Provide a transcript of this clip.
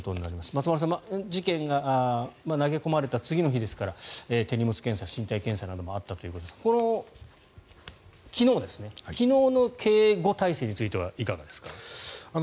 松丸さん投げ込まれた次の日ですから手荷物検査、身体検査などもあったということですが昨日の警護態勢についてはいかがですか。